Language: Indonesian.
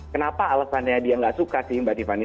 kenapa alasannya dia nggak suka sih mbak tiffany